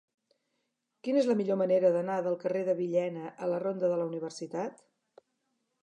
Quina és la millor manera d'anar del carrer de Villena a la ronda de la Universitat?